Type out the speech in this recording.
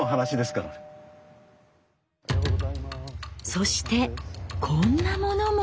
そしてこんなものも！